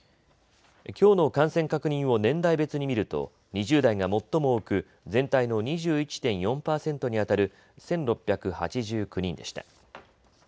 きょうの感染確認を年代別に見ると２０代が最も多く全体の２１．４％にあたる１６８９人でした。